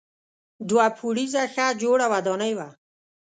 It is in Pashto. دوه پوړیزه ښه جوړه ودانۍ وه.